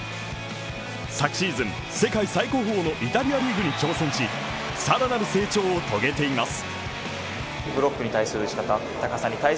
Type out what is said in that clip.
昨シーズン世界最高峰のイタリアリーグに挑戦し、さらなる成長を遂げています。